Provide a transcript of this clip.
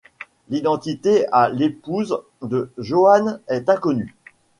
L'identité de l'épouse de Johan est inconnue.